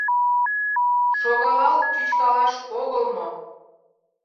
Шогалал чӱчкалаш огыл мо?